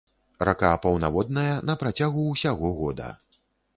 Рака паўнаводная на працягу ўсяго года.